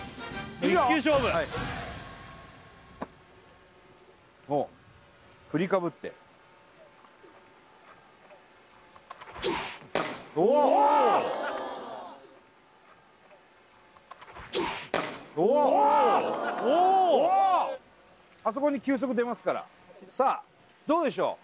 １球勝負ほう振りかぶっておうおうあそこに球速出ますからさあどうでしょう